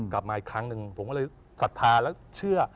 กลับมาอีกครั้งหนึ่งผมว่าเลยสัตว์ทาแล้วเชื่อ